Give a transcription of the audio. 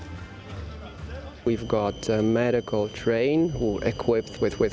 kita memiliki kereta medis yang diperlukan dengan kereta medis